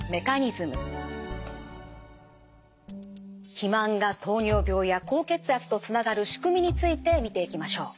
肥満が糖尿病や高血圧とつながる仕組みについて見ていきましょう。